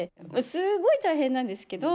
すごい大変なんですけど。